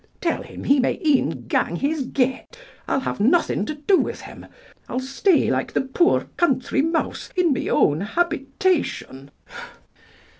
Tell him he may e'en gang his get; I'll have nothing to do with him; I'll stay like the poor country mouse, in my awn habitation."